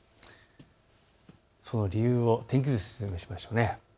その理由を天気図で説明しましょう。